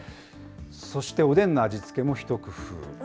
そしておでんの味付けも一工夫。